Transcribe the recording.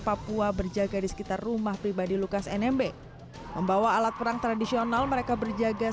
papua berjaga di sekitar rumah pribadi lukas nmb membawa alat perang tradisional mereka berjaga